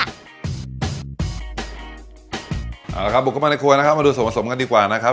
เอาละครับบุกเข้ามาในครัวนะครับมาดูส่วนผสมกันดีกว่านะครับ